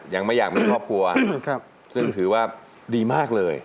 ยังไม่อยากมีครอบครัวซึ่งถือว่าดีมากเลย